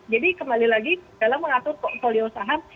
jadi kembali lagi dalam mengatur portfolio saham